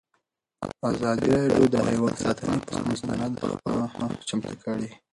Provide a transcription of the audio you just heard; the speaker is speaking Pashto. ازادي راډیو د حیوان ساتنه پر اړه مستند خپرونه چمتو کړې.